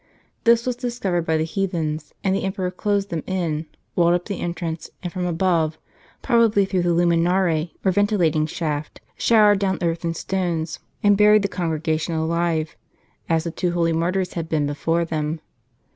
This was discovered by the heathens, and the emperor closed them in, walled up the entrance, and from above, probably through the hmimare, or ventilating shaft, showered down earth and stones, and buried the congregation alive, as the two holy martyrs had been before them.